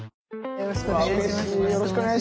よろしくお願いします。